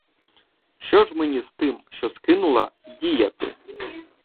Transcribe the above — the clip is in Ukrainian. Що ж мені з тим, що скинула, діяти?